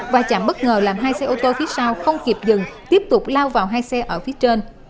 và chạm bất ngờ làm hai xe ô tô phía sau không kịp dừng tiếp tục lao vào hai xe ở phía trên